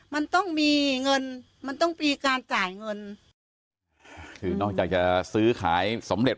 มันต้องมีเงินมันต้องมีการจ่ายเงินคือนอกจากจะซื้อขายสำเร็จ